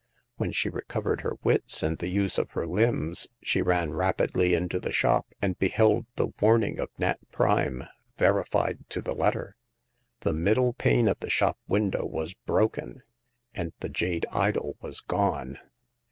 When she recovered her wits and the use of her limbs, she ran rapidly into the shop, and beheld the warning of Nat Prime verified to the letter. The middle pane of the shop window was broken, and the jade idol was gone.